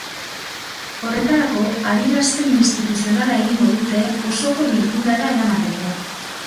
Horretarako, adierazpen instituzionala egingo dute osoko bilkurara eramateko.